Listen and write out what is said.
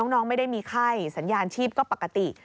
น้องไม่ได้มีไข้สัญญาณชีพก็ปกติ